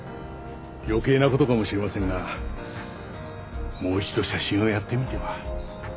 余計な事かもしれませんがもう一度写真をやってみては？